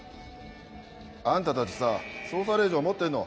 あんたたちさ捜査令状持ってんの？